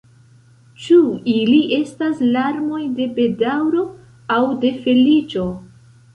Ĉu ili estas larmoj de bedaŭro, aŭ de feliĉo?